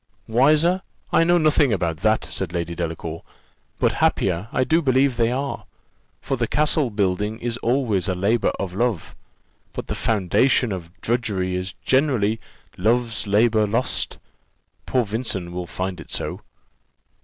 "Wiser! I know nothing about that," said Lady Delacour; "but happier I do believe they are; for the castle building is always a labour of love, but the foundation of drudgery is generally love's labour lost. Poor Vincent will find it so."